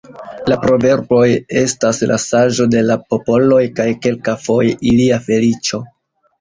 La proverboj estas la saĝo de la popoloj kaj kelkafoje ilia feliĉo.